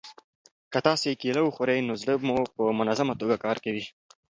که تاسي کیله وخورئ نو زړه مو په منظمه توګه کار کوي.